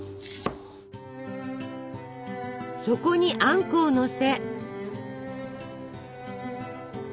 そこにあんこをのせ。